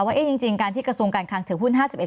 ว่าจริงการที่กระทรวงการคลังถือหุ้น๕๑